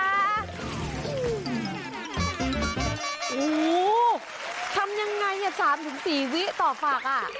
โอ้โหทำยังไง๓๔วิต่อฝักอ่ะ